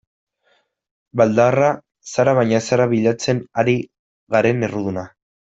Baldarra zara baina ez zara bilatzen ari garen erruduna.